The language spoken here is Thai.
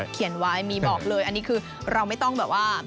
เขียนไว้มีบอกเลยอันนี้คือเราไม่ต้องแบบว่า